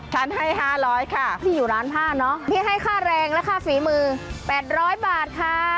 ฉันให้๕๐๐ค่ะพี่อยู่ร้านผ้าเนอะพี่ให้ค่าแรงและค่าฝีมือ๘๐๐บาทค่ะ